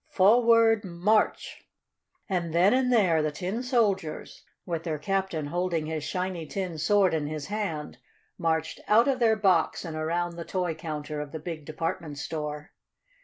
Forward march!" And then and there the tin soldiers, with their captain holding his shiny tin sword in his hand, marched out of their box and around the toy counter of the big department store.